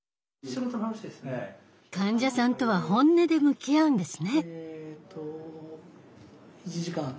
患者さんとは本音で向き合うんですね。